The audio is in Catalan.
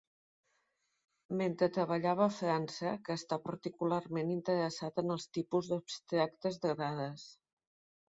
Mentre treballava a França, que està particularment interessat en els tipus abstractes de dades.